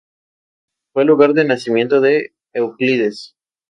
Falleció al año siguiente dejando varios hijos naturales.